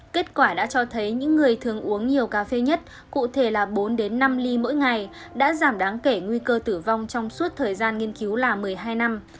kết quả đã cho thấy những người thường uống nhiều cà phê nhất cụ thể là bốn đến năm ly mỗi ngày đã giảm đáng kể nguy cơ tử vong trong suốt thời gian nghiên cứu là một mươi hai năm